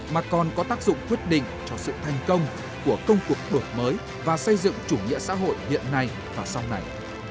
mà còn có tác dụng quyết định cho sự thành công của công cuộc đổi mới và xây dựng chủ nghĩa xã hội hiện nay và sau này